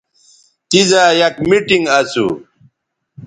تیزا یک میٹنگ اسو